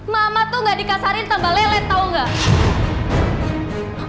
mama tuh nggak dikasarin tambah lelet tau gak